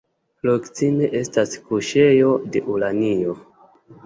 Proksime estas kuŝejo de uranio.